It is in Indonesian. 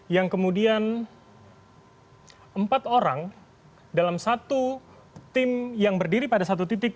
yang kemudian empat orang dalam satu tim yang berdiri pada satu titik